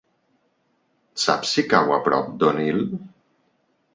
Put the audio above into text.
Saps si cau a prop d'Onil?